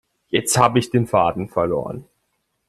Jetzt habe ich den Faden verloren.